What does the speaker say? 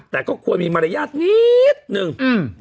แต่ก็ควรมีมารยาทนิดนึง